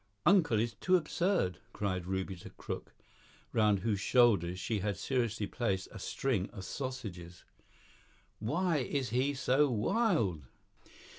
"Uncle is too absurd," cried Ruby to Crook, round whose shoulders she had seriously placed a string of sausages. "Why is he so wild?"